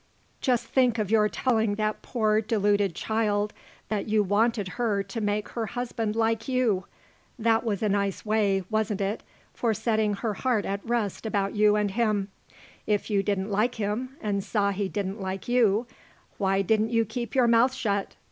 Just think of your telling that poor deluded child that you wanted her to make her husband like you. That was a nice way, wasn't it, for setting her heart at rest about you and him. If you didn't like him and saw he didn't like you, why didn't you keep your mouth shut?